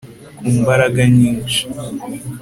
ku mbaraga nyinshi